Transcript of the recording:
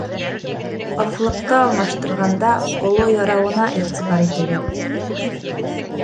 Аҫлыҡты алмаштырғанда оло ярауына иғтибар итегеҙ.